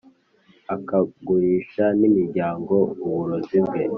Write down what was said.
akagurisha n’imiryango uburozi bwe